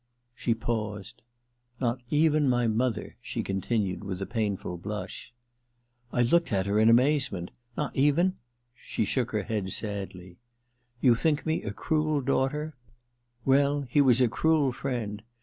* She paused. *Not even my mother,' she continued, with a psunfiil blush. I looked at her in amazement. * Not even ?* She shook her head sadly. ^ You think me a cruel daughter ? Well — he was a cruel friend.